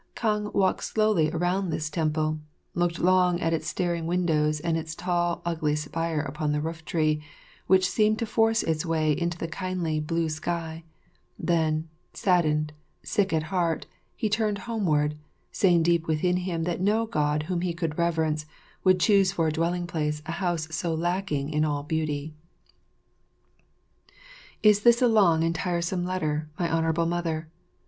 Kang walked slowly around this temple, looked long at its staring windows and its tall and ugly spire upon the rooftree which seemed to force its way into the kindly blue sky; then, saddened, sick at heart, he turned homeward, saying deep within him no God whom he could reverence would choose for a dwelling place a house so lacking in all beauty. Is this a long and tiresome letter, my Honourable Mother?